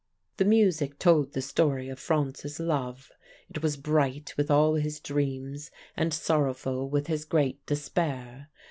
"The music told the story of Franz's love; it was bright with all his dreams, and sorrowful with his great despair.